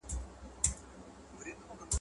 ټول بې واکه مسافر دي بې اختیاره یې سفر دی ..